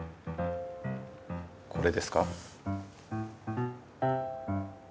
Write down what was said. これですか？